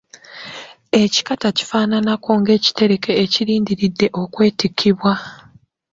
Ekikata kifaananako ng’ekitereke ekirindiridde okwetikkibwa.